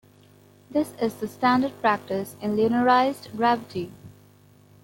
This is the standard practice in linearized gravity.